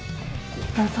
どうぞ。